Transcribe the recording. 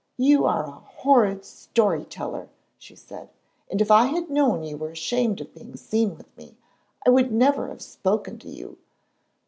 "You are a horrid story teller," she said, "and if I had known you were ashamed of being seen with me, I should never have spoken to you.